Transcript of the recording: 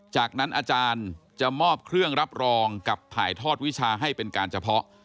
จากนั้นอาจารย์จะมอบเครื่องรับรองกับถ่ายทอดวิชาให้เป็นการเฉพาะ